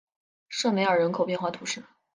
圣梅尔人口变化图示